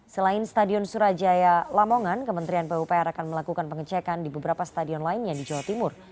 selain stadion surajaya lamongan kementerian pupr akan melakukan pengecekan di beberapa stadion lainnya di jawa timur